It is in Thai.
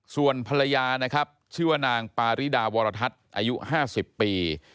ส่วนภรรยานะครับชื่อว่านางปาริดาวรทัศน์อายุ๕๐ปี